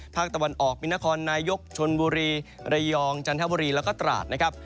ภาคตะวันออกมีนครนายกชนบุรีระยองจันทบุรีแล้วก็ตราดนะครับ